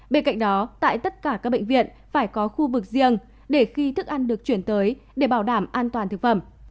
bên cạnh đó tại tất cả các bệnh viện phải có khu vực riêng để khi thức ăn được chuyển tới để bảo đảm an toàn thực phẩm